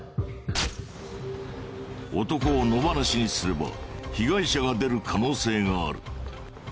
男を野放しにすれば被害者が出る可能性がある。